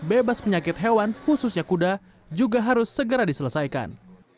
bebas penyakit hewan khususnya kuda juga harus segera diselesaikan